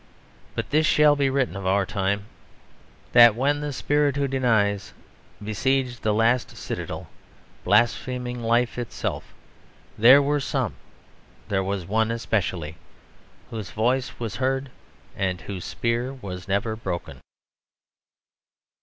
But this shall be written of our time: that when the spirit who denies besieged the last citadel, blaspheming life itself, there were some, there was one especially, whose voice was heard and whose spear was never broken.